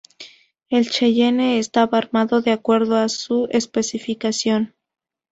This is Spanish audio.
El "Cheyenne" estaba armado de acuerdo a su especificación.